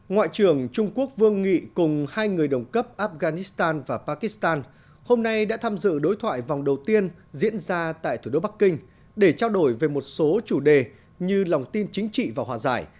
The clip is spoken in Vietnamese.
ngoại trưởng trung quốc vương nghị cùng hai người đồng cấp afghanistan và pakistan hôm nay đã tham dự đối thoại vòng đầu tiên diễn ra tại thủ đô bắc kinh để trao đổi về một số chủ đề như lòng tin chính trị và hòa giải